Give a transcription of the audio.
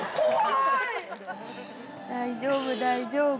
大丈夫大丈夫。